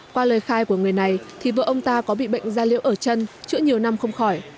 qua lời khai của người này thì vợ ông ta có bị bệnh da liễu ở chân chữa nhiều năm không khỏi